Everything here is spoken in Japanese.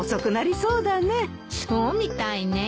そうみたいねえ。